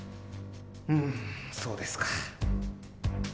うんそうですか。